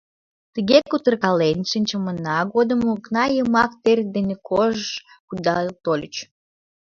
Тыге кутыркален шинчымына годым окна йымак тер дене кож-ж кудал тольыч.